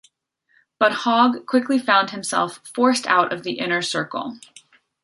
But Hogg quickly found himself forced out of the inner circle.